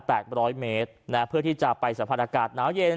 แปดร้อยเมตรนะฮะเพื่อที่จะไปสะพานอากาศหนาวเย็น